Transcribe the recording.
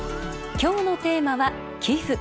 今日のテーマは「寄付」。